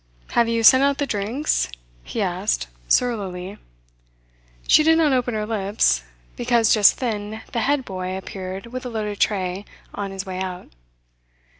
"Have you sent out the drinks?" he asked surlily. She did not open her lips, because just then the head boy appeared with a loaded tray, on his way out.